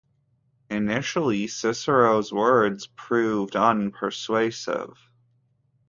Initially, Cicero's words proved unpersuasive.